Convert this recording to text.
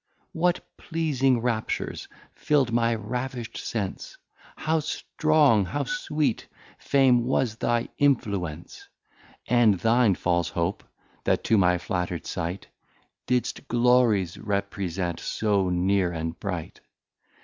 What pleasing Raptures fill'd my Ravisht Sense? How strong, how Sweet, Fame, was thy Influence? And thine, False Hope, that to my flatter'd sight Didst Glories represent so Near, and Bright?